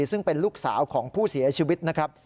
ซึ่งเป็นลูกสาวของผู้เสียชีวิตนะครับ